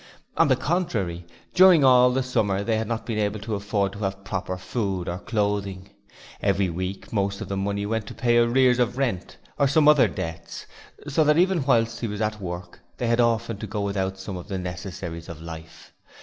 On the contrary, during all the summer they had not been able to afford to have proper food or clothing. Every week most of the money went to pay arrears of rent or some other debts, so that even whilst he was at work they had often to go without some of the necessaries of life.